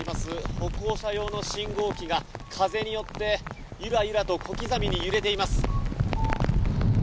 歩行者用の信号機が風によって、ゆらゆらと小刻みに揺れています。